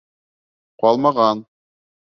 Ҡалмаған!